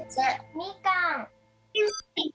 みかん。